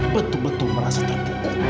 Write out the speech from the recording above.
betul betul merasa tertutup